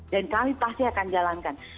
dan kami pasti akan jalankan